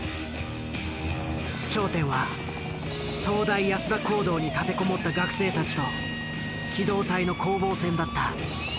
頂点は東大安田講堂に立てこもった学生たちと機動隊の攻防戦だった。